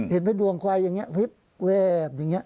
เห็นเป็นดวงควายอย่างนี้แวบอย่างนี้